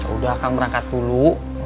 udah kang berangkat dulu